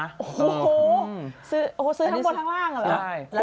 โอ้โหซื้อทั้งบนข้างล่างเหรอ